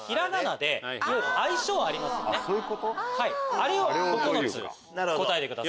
あれを９つ答えてください。